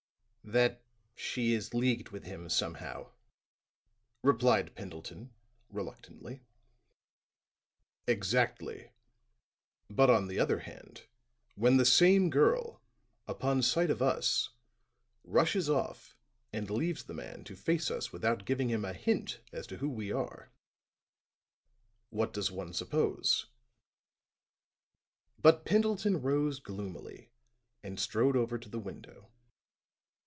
"That she is leagued with him, somehow," replied Pendleton, reluctantly. "Exactly. But on the other hand, when the same girl, upon sight of us, rushes off and leaves the man to face us without giving him a hint as to who we are, what does one suppose?" But Pendleton rose gloomily and strode over to the window.